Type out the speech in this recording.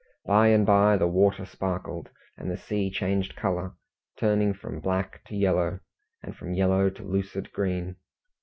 By and by the water sparkled, and the sea changed colour, turning from black to yellow, and from yellow to lucid green.